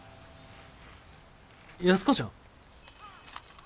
安子ちゃん？